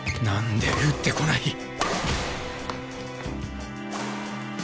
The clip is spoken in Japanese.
なんで打ってこない？